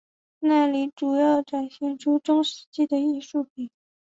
那里主要展出中世纪的艺术品。